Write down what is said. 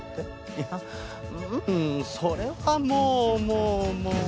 いやうんそれはもうもうもう。